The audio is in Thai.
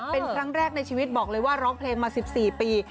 เป็นครั้งแรกในชีวิตบอกเลยว่าร้องเพลงมา๑๔ปี